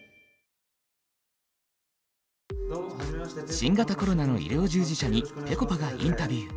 新型コロナの医療従事者にぺこぱがインタビュー。